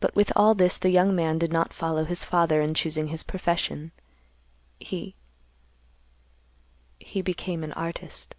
But with all this the young man did not follow his father in choosing his profession. He—he became an artist."